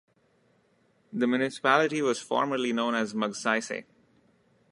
The municipality was formerly known as Magsaysay.